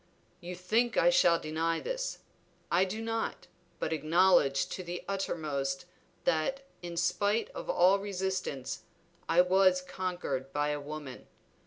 "You think I shall deny this. I do not, but acknowledge to the uttermost that, in spite of all resistance, I was conquered by a woman.